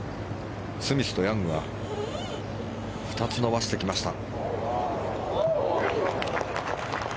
スミスとヤングは２つ伸ばしてきました。